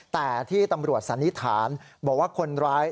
แต่ที่ตำรวจสันนิษฐานบอกว่าคนร้าย